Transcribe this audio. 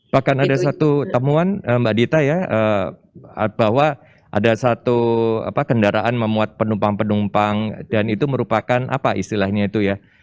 bahkan ada satu temuan mbak dita ya bahwa ada satu kendaraan memuat penumpang penumpang dan itu merupakan apa istilahnya itu ya